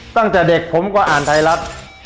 ตั้งแต่เด็กผมก็อ่านไทยรัฐ